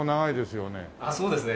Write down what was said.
そうですね。